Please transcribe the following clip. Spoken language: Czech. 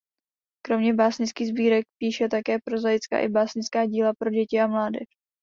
Kromě básnických sbírek píše také prozaická i básnická díla pro děti a mládež.